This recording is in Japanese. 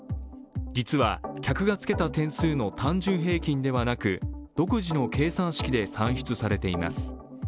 実は、客がつけた点数の単純平均ではなく独自の計算式で算出されています。